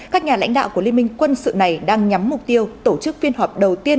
các nhà lãnh đạo của liên minh quân sự này đang nhắm mục tiêu tổ chức phiên họp đầu tiên